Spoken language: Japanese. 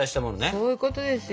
そういうことですよ。